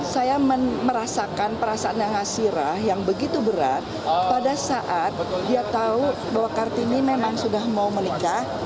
saya merasakan perasaan yang hasirah yang begitu berat pada saat dia tahu bahwa kartini memang sudah mau menikah